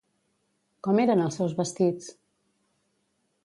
Com eren els seus vestits?